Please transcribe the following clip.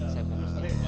saya bunuh aja